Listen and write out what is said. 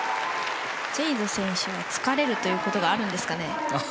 ジェイド選手は疲れるということがあるんですかね？